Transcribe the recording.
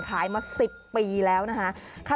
ขายมา๑๐ปีแล้วนะคะ